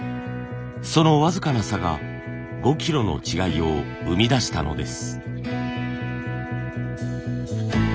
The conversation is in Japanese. その僅かな差が５キロの違いを生み出したのです。